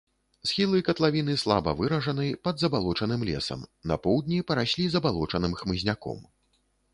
Схілы катлавіны слаба выражаны, пад забалочаным лесам, на поўдні параслі забалочаным хмызняком.